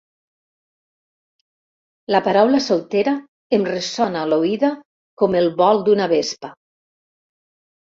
La paraula soltera em ressona a l'oïda com el vol d'una vespa.